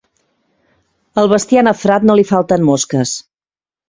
Al bestiar nafrat no li falten mosques.